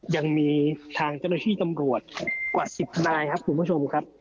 ยังมีทางเจ้าหน้าที่ตำรวจกว่า๑๐นายครับคุณผู้ชมครับ